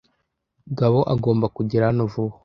Gabo agomba kugera hano vuba.